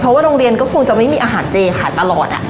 เพราะว่าโรงเรียนก็คงจะไม่มีอาหารเจขายตลอด